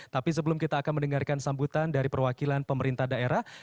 tapi sebelum kita akan mendengarkan sambutan dari perwakilan pemerintah daerah